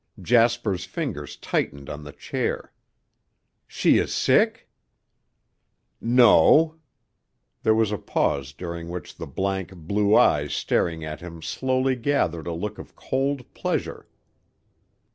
Jasper's fingers tightened on the chair. "She is sick?" "No." There was a pause during which the blank, blue eyes staring at him slowly gathered a look of cold pleasure.